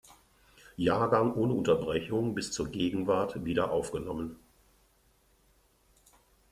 Jahrgang ohne Unterbrechung bis zur Gegenwart wiederaufgenommen.